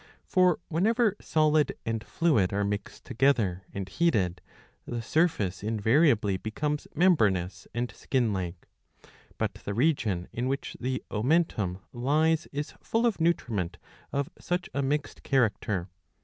For, whenever solid and fluid are mixed together and heated, the surface invariably becofnes membranous and skin like.* But the region in which the omentum lies is full of nutriment of such a mixed character.